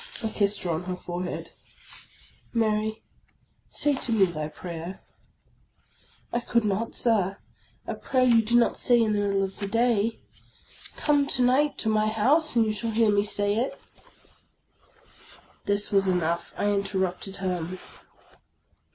I kissed her on her forehead. " Mary, say to me thy prayer." " I could not, Sir ; a prayer you do not say in the middle 92 THE LAST DAY of the day. Come to night to my house, and you shall hear me say it." This was enough. I interrupted her.